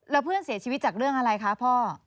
แล้วเพื่อนเสียชีวิตจากเรื่องอะไรคะพ่อ